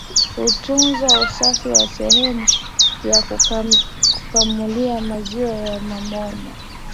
Kutunza usafi wa sehemu ya kukamulia maziwa na maboma